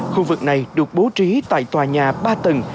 khu vực này được bố trí tại tòa nhà ba tầng